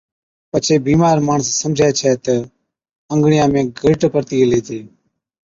پڇي بِيمار ماڻس سمجھَي ڇَي تہ انگڙِيان ۾ ڳِرٽ پڙتِي گيلي هِتي۔